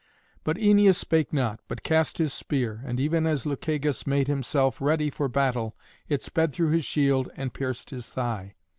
But Æneas spake not, but cast his spear, and even as Lucagus made himself ready for battle it sped through his shield and pierced his thigh.